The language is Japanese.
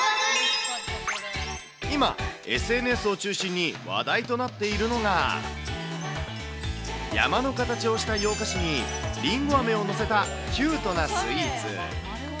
今、ＳＮＳを中心に話題となっているのが、山の形をした洋菓子にリンゴあめを載せたキュートなスイーツ。